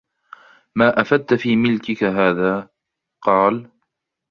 مَا أَفَدْت فِي مِلْكِك هَذَا ؟ قَالَ